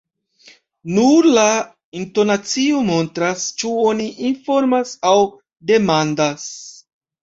Nur la intonacio montras, ĉu oni informas aŭ demandas.